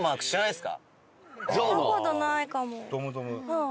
はい。